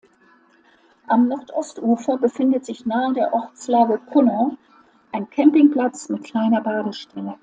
Am Nordostufer befindet sich nahe der Ortslage Conow ein Campingplatz mit kleiner Badestelle.